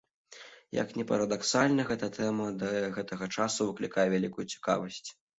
Як ні парадаксальна, гэтая тэма да гэтага часу выклікае вялікую цікавасць.